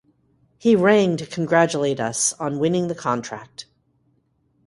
He rang to congratulate us on winning the contract.